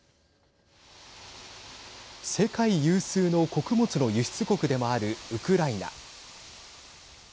世界有数の穀物の輸出国でもあるウクライナ。